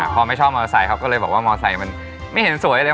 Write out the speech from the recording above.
อ๋อพอไม่ชอบมอเตอร์ไซส์ครับก็เลยบอกว่ามอเตอร์ไซส์มันไม่เห็นสวยเลย